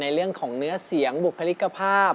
เรื่องของเนื้อเสียงบุคลิกภาพ